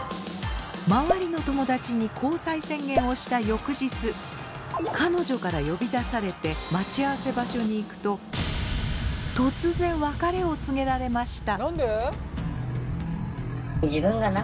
周りの友達に交際宣言をした翌日彼女から呼び出されて待ち合わせ場所に行くと突然別れを告げられました。